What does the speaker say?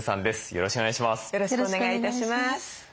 よろしくお願いします。